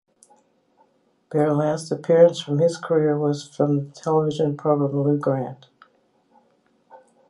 Beir last appearance from his career was from the television program "Lou Grant".